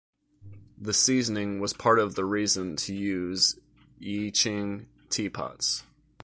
This seasoning was part of the reason to use Yixing teapots.